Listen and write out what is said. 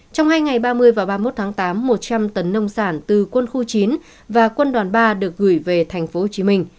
trong hai ngày ba mươi và ba mươi một tháng tám một trăm linh tấn nông sản từ quân khu chín và quân đoàn ba được gửi về tp hcm